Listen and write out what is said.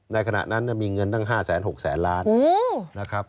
ในขณะนั้นมีเงินตั้ง๕๖๐๐๐๐๐ล้าน